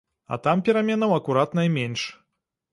А там пераменаў акурат найменш.